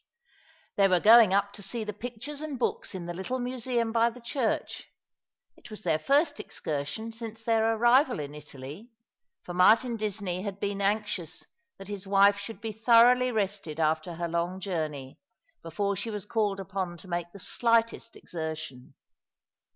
They were going up to see the pictures and books in the little museum by the church. It was their first excursion, since their arrival in Italy, for Martin Disney had been anxious that his wife should be thoroughly rested after her long journey, before she was called upon to make the slightest exertion.